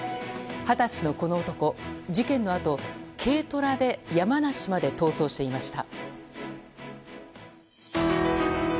二十歳のこの男事件のあと、軽トラで山梨まで逃走していました。